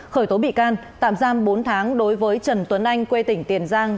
khởi tố bị can tạm giam bốn tháng đối với trần tuấn anh quê tỉnh tiền giang